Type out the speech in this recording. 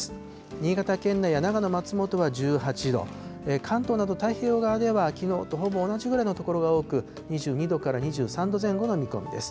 新潟県内や長野、松本は１８度、関東など太平洋側では、きのうとほぼ同じぐらいの所が多く、２２度から２３度前後の見込みです。